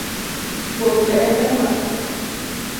Kuom derepe ma